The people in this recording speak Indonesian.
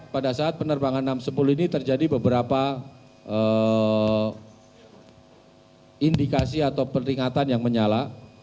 pada saat penerbangan enam ratus sepuluh ini terjadi beberapa indikasi atau peringatan yang menyala